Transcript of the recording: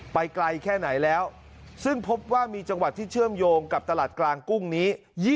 ไปไกลแค่ไหนแล้วซึ่งพบว่ามีจังหวัดที่เชื่อมโยงกับตลาดกลางกุ้งนี้